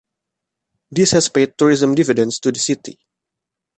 This has paid tourism dividends to the city.